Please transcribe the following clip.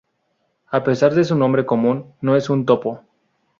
A pesar de su nombre común, no es un topo.